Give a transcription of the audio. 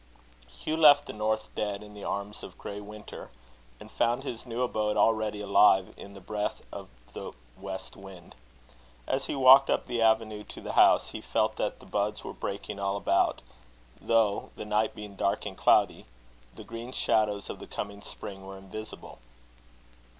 Hugh left the North dead in the arms of grey winter, and found his new abode already alive in the breath of the west wind. As he walked up the avenue to the house, he felt that the buds were breaking all about, though, the night being dark and cloudy, the green shadows of the coming spring were invisible.